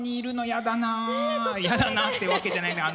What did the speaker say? やだなってわけじゃないんで。